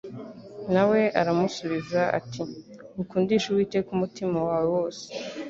na we aramusubiza ati ukundishe uwiteka umutima wawe wose